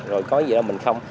rồi có gì mình không